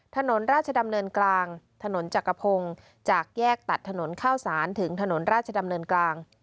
ถนนราชดำเนินกลางถนนจักรพงศ์จากแยกตัดถนนข้าวสารถึงถนนราชดำเนินกลาง